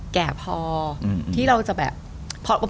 แก่พอที่เราจะแบบ